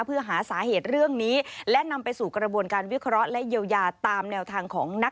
เพื่อหาสาเหตุเรื่องนี้และนำไปสู่กระบวนการวิเคราะห์